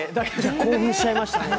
興奮しちゃいましたね。